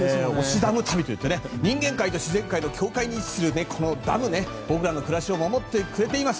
ダム旅といって人間界と自然界の境界に位置するこのダム、僕らの暮らしを守ってくれています。